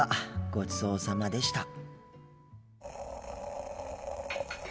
ごちそうさまでした。